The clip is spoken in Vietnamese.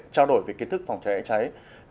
trao đổi về kiến thức phòng cháy cháy